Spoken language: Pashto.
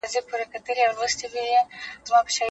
انټرنیټ د علم په خپرولو کې مرسته کوي.